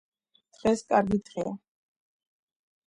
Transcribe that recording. დღეს კარგი დღეა